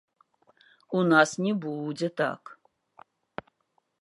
У нас не будзе так.